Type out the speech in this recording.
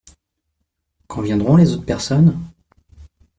Quand viendront les autres personnes ?